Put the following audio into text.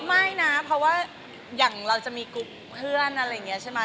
ไม่นะเพราะว่าอย่างเราจะมีกรุ๊ปเพื่อนอะไรอย่างนี้ใช่ไหม